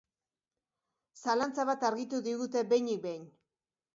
Zalantza bat argitu digute behinik behin.